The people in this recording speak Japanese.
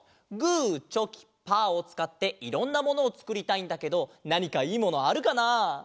グーチョキパーをつかっていろんなものをつくりたいんだけどなにかいいものあるかな？